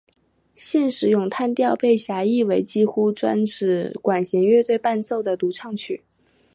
现时咏叹调被狭义为几乎专指管弦乐队伴奏的独唱曲。